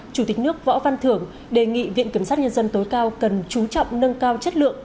chủ tịch nước võ văn thưởng đề nghị viện kiểm sát nhân dân tối cao cần chú trọng nâng cao chất lượng